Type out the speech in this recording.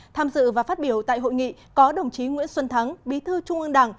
tham dự và phát biểu tại hội nghị có đồng chí nguyễn xuân thắng bí thư trung ương đảng